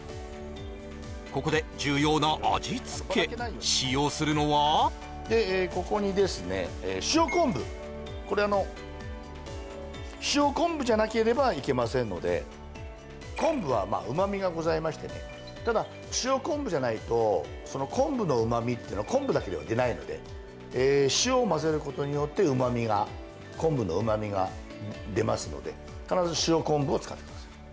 ここで重要な味付け使用するのはここにですね塩昆布これあの塩昆布じゃなければいけませんので昆布はまあうま味がございましてねただ塩昆布じゃないとその昆布のうま味ってのは昆布だけでは出ないので塩をまぜることによってうま味が昆布のうま味が出ますので必ず塩昆布を使ってください